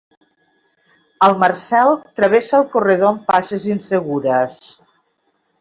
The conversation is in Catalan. El Marcel travessa el corredor amb passes insegures.